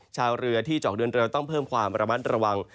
ชาวเรือที่เจาะเดินเรือต้องเพิ่มความระมัดระวัง